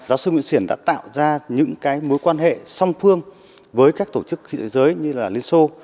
giáo sư nguyễn xiển đã tạo ra những mối quan hệ song phương với các tổ chức thế giới như là liên xô